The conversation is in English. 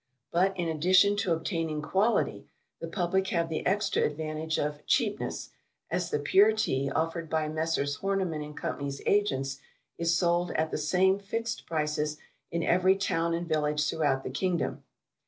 But in addition to obtaining quality, the public have the extra advantage of cheapness, as the Pure Tea offered by Messrs. Horniman & Co.'s Agents is sold at the same fixed prices in every Town and Village throughout the Kingdom.